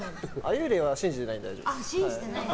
幽霊は信じてないので大丈夫です。